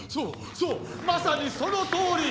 そうまさにそのとおり！